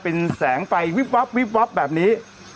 เป็นแสงไฟวิบวับแบบนี้